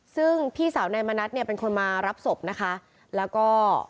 ซึ่งพี่สาวนายมณัฐเนี่ยเป็นคนมารับศพนะคะแล้วก็